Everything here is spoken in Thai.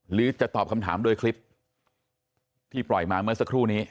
หรือจะตอบคำถามโดยคลิปที่ปล่อยมาเมื่อสักครู่นี้